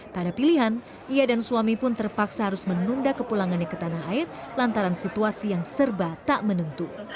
tak ada pilihan ia dan suami pun terpaksa harus menunda kepulangannya ke tanah air lantaran situasi yang serba tak menentu